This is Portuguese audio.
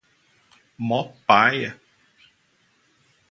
Mó paia